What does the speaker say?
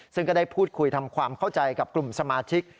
ซึ่งก็ได้พูดคุยทำความเข้าใจกับกลุ่มสมาชิก